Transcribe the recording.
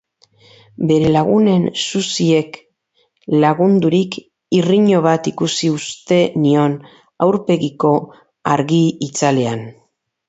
Bere lagunen zuziek lagundurik, irriño bat ikusi uste nion aurpegiko argi-itzalean.